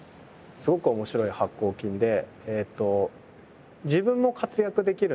すごく面白い発酵菌で。